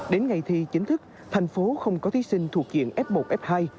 đến ngày thi chính thức thành phố không có thí sinh thuộc diện f một f hai